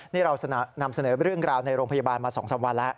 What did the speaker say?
นี่เรานำเสนอเรื่องราวในโรงพยาบาลมา๒๓วันแล้ว